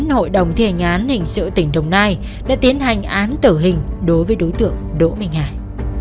hội đồng thi hành án hình sự tỉnh đồng nai đã tiến hành án tử hình đối với đối tượng đỗ minh hải